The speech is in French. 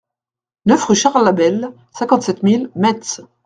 neuf rue Charles Abel, cinquante-sept mille Metz